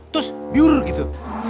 terus biur gitu